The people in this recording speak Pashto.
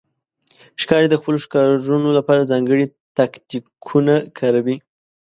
ښکاري د خپلو ښکارونو لپاره ځانګړي تاکتیکونه کاروي.